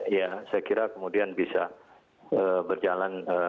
ya saya kira kemudian bisa berjalan